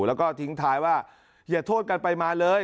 แล้วก็ทิ้งท้ายว่าอย่าโทษกันไปมาเลย